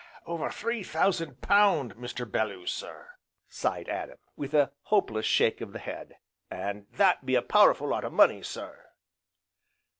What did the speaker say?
"Over three thousand pound, Mr. Belloo sir!" sighed Adam, with a hopeless shake of the head, "an' that be a powerful lot o' money, sir."